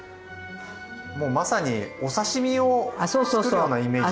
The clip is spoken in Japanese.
もうまさにお刺身をつくるようなイメージですかね？